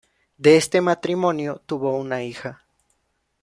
De este matrimonio tuvo una hija.